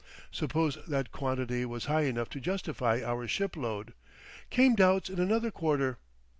Suppose that quantity was high enough to justify our shipload, came doubts in another quarter.